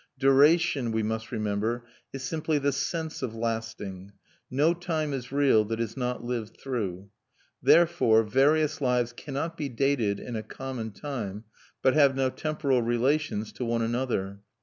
Duration, we must remember, is simply the sense of lasting; no time is real that is not lived through. Therefore various lives cannot be dated in a common time, but have no temporal relations to one another.